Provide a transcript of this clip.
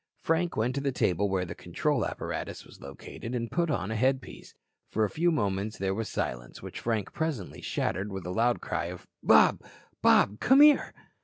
Frank went to the table where the control apparatus was located and put on a headpiece. For a few moments there was silence, which Frank presently shattered with a loud cry of: "Bob. Bob. Come here."